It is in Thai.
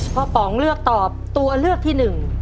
พ่อปองเลือกตอบตัวเลือกที่๑